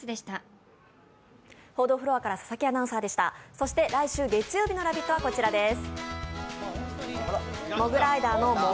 そして来週月曜日の「ラヴィット！」はこちらです。